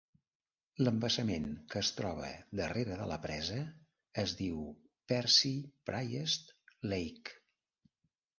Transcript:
L'embassament que es troba darrere de la presa es diu Percy Priest Lake.